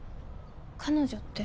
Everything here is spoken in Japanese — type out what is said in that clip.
彼女って？